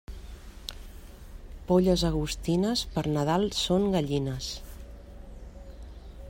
Polles agostines, per Nadal són gallines.